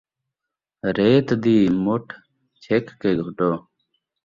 ریت دی مُٹھ چھِک کے گھٹو